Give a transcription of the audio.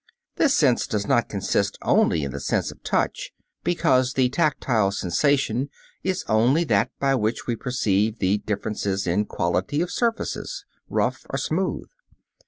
This sense does not consist only of the sense of touch, because the tactile sensation is only that by which we perceive the differences in quality of surfaces, rough or smooth.